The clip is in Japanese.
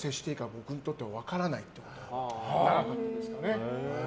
僕にとっては分からない時期が長かったですね。